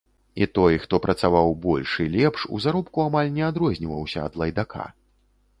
І той, хто працаваў больш і лепш, у заробку амаль не адрозніваўся ад лайдака.